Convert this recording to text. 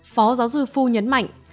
phó giáo dư phu nhấn mạnh